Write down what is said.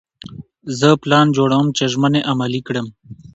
زه پلان جوړوم چې ژمنې عملي کړم.